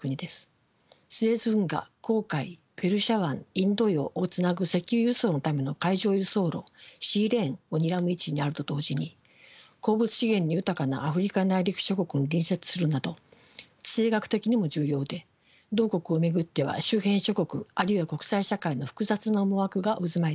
スエズ運河紅海ペルシャ湾インド洋をつなぐ石油輸送のための海上輸送路シーレーンをにらむ位置にあると同時に鉱物資源の豊かなアフリカ内陸諸国に隣接するなど地政学的にも重要で同国を巡っては周辺諸国あるいは国際社会の複雑な思惑が渦巻いています。